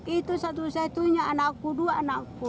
itu satu satunya anakku dua anakku